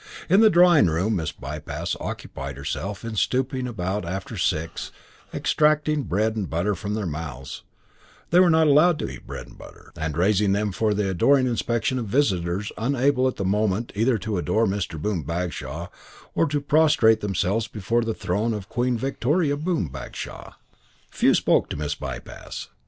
In the drawing room Miss Bypass occupied herself in stooping about after the six, extracting bread and butter from their mouths they were not allowed to eat bread and butter and raising them for the adoring inspection of visitors unable at the moment either to adore Mr. Boom Bagshaw or to prostrate themselves before the throne of Queen Victoria Boom Bagshaw. Few spoke to Miss Bypass.